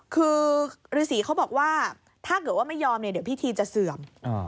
คือฤษีเขาบอกว่าถ้าเกิดว่าไม่ยอมเนี่ยเดี๋ยวพิธีจะเสื่อม